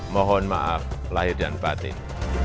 mohon maaf lahir dan batin